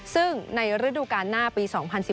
ซึ่งในฤดูการหน้าปี๒๐๑๘